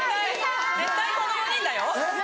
絶対この４人だよ！